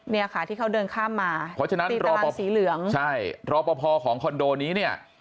เนี่ยค่ะที่เขาเดินข้ามมาตีตารางสีเหลืองใช่รอพอพอของคอนโดนี้เนี่ย